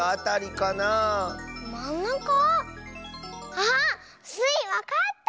あっスイわかった！